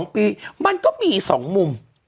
๒ปีมันก็มี๒มุม